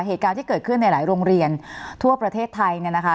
เหตุการณ์ที่เกิดขึ้นในหลายโรงเรียนทั่วประเทศไทยเนี่ยนะคะ